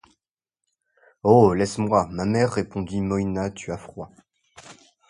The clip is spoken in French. Oh! laisse-moi, ma mère, répondit Moïna, tu as froid.